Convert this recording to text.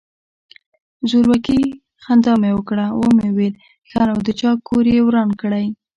زورکي خندا مې وکړه ومې ويل ښه نو د چا کور يې وران کړى.